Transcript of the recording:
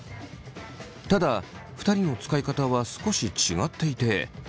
ただ２人の使い方は少し違っていて。